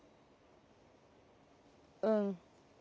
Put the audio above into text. うん。